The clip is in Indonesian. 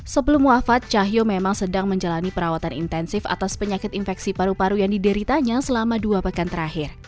sebelum wafat cahyo memang sedang menjalani perawatan intensif atas penyakit infeksi paru paru yang dideritanya selama dua pekan terakhir